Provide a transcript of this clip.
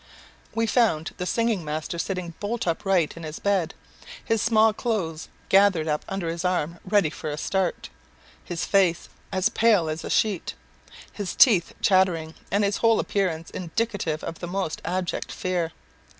We found the singing master sitting bolt upright in his bed, his small clothes gathered up under his arm ready for a start; his face as pale as a sheet, his teeth chattering, and his whole appearance indicative of the most abject fear.